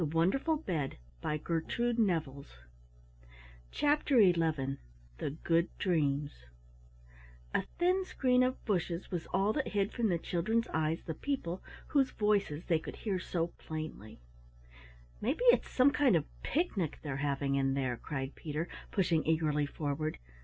CHAPTER XI THE GOOD DREAMS A thin screen of bushes was all that hid from the children's eyes the people whose voices they could hear so plainly. "Maybe it's some kind of picnic they're having in there," cried Peter, pushing eagerly forward.